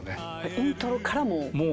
イントロからもう。